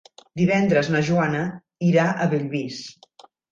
Divendres na Joana irà a Bellvís.